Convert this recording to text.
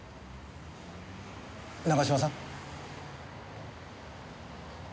長島さん？